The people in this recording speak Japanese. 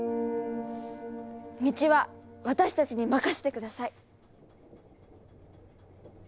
道は私たちに任せて下さい！